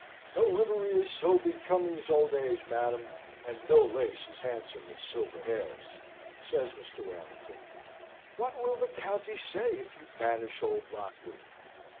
"No livery is so becoming as old age, madam, and no lace as handsome as silver hairs," says Mr. Warrington. "What will the county say if you banish old Lockwood?"